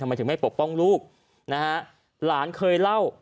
ทำไมถึงไม่ปกป้องลูกนะฮะหลานเคยเล่า